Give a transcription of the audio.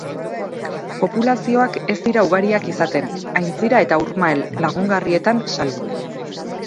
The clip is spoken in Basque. Populazioak ez dira ugariak izaten, aintzira eta urmael lagungarrietan salbu.